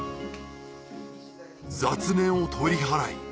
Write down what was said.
雑念を取り払い